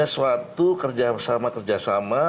suatu kerja sama kerja sama